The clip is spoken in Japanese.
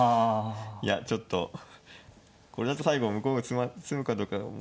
いやちょっとこれだと最後向こうが詰むかどうかがもう。